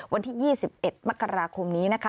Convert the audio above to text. วันที่๒๑มกราคมนี้นะคะ